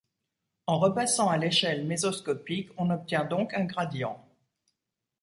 En repassant à l'échelle mesoscopique, on obtient donc un gradient.